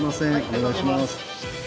お願いします。